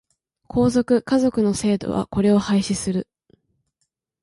皇族、華族の制度はこれを廃止する。